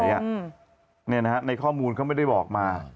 เนี่ยนะครับในข้อมูลเขาไม่ได้บอกมา